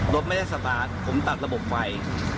รถไม่ได้สตาร์ทผมตัดระบบไฟ